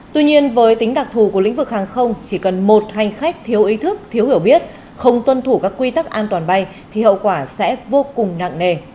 tuy nhiên với tính đặc thù của lĩnh vực hàng không chỉ cần một hành khách thiếu ý thức thiếu hiểu biết không tuân thủ các quy tắc an toàn bay thì hậu quả sẽ vô cùng nặng nề